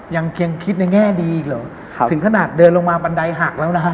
ยังเคียงคิดในแง่ดีอีกหรอถึงขนาดเดินลงมาปันไดหักแล้วนะ